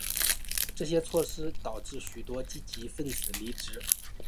这些措施导致许多积极份子离职。